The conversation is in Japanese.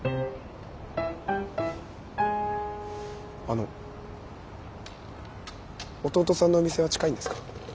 あの弟さんのお店は近いんですか？